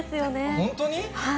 本当に？